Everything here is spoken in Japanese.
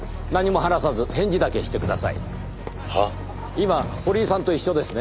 今堀井さんと一緒ですね？